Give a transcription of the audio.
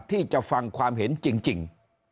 ที่จะฟังความเห็นจริง